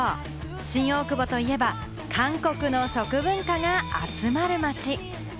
新大久保といえば、韓国の食文化が集まる街。